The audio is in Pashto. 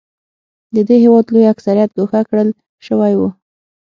د دې هېواد لوی اکثریت ګوښه کړل شوی و.